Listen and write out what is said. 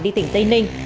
đi tỉnh tây ninh